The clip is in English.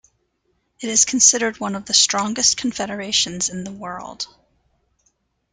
It is considered one of the strongest confederations in the world.